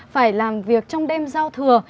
phải làm việc trong đêm giao thừa